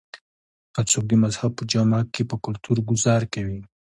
کۀ څوک د مذهب پۀ جامه کښې پۀ کلتور ګذار کوي